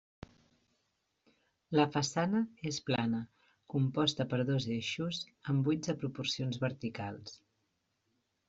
La façana és plana, composta per dos eixos, amb buits de proporcions verticals.